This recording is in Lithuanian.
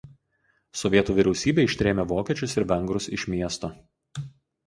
Sovietų vyriausybė ištrėmė vokiečius ir vengrus iš miesto.